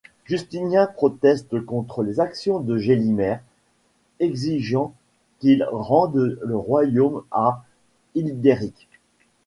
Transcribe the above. Justinien proteste contre les actions de Gélimer, exigeant qu'il rende le royaume à Hildéric.